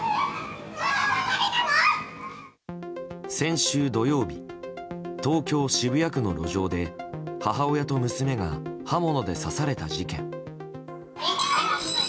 先週土曜日東京・渋谷区の路上で母親と娘が刃物で刺された事件。